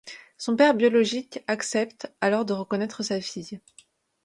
Son père biologique accepte alors de reconnaître sa fille.